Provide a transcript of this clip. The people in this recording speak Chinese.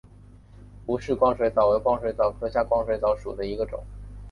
吴氏光水蚤为光水蚤科光水蚤属下的一个种。